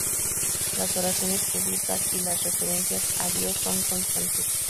Las oraciones públicas y las referencias a Dios son constantes.